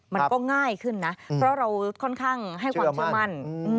มันก็ง่ายขึ้นนะเพราะเราค่อนข้างให้ความเชื่อมั่น